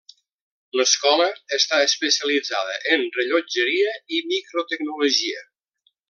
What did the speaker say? L'escola està especialitzada en rellotgeria i microtecnologia.